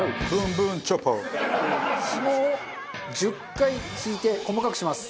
ひもを１０回引いて細かくします。